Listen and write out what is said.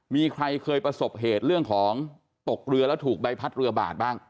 มีใครเคยประสบเหตุเรื่องของตกเรือแล้วถูกใบพัดเรือบาดบ้าง